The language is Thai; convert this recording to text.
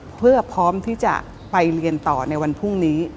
เพื่อพร้อมที่จะไปเรียนต่อในวันพรุ่งนี้